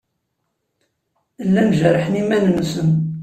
Llan jerrḥen iman-nsen.